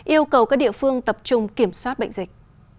yêu cầu các địa phương tập trung kiểm soát bệnh dịch